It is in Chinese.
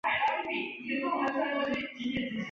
施兰根巴德是德国黑森州的一个市镇。